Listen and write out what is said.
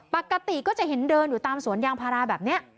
ปกติก็จะเห็นเดินอยู่ตามสวนยางพาราแบบนี้